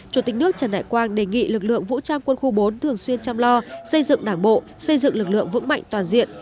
chủ tịch nước trần đại quang đề nghị lực lượng vũ trang quân khu bốn thường xuyên chăm lo xây dựng đảng bộ xây dựng lực lượng vững mạnh toàn diện